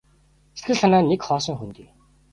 Сэтгэл санаа нь нэг хоосон хөндий.